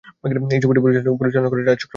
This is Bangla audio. এই ছবিটি পরিচালনা করেছেন রাজ চক্রবর্তী।